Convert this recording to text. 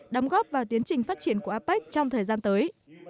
đóng góp vào tiến trình phát triển của apec trong thời gian tới